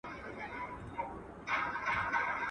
چي بد غواړې، پر بدو به واوړې.